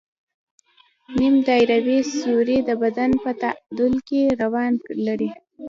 نیم دایروي سوري د بدن په تعادل کې رول لري.